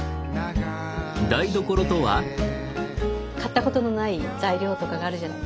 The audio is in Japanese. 買ったことのない材料とかがあるじゃない。